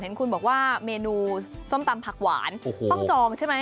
เห็นคุณบอกว่าเมนูส้มตำผักหวานต้องจองใช่ไหม